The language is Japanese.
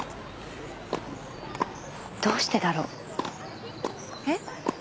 どうしてだろう？えっ？